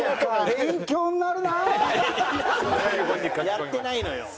やってないのよ。